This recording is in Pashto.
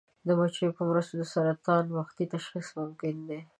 د مچیو په مرسته د سرطان وختي تشخیص ممکن دی.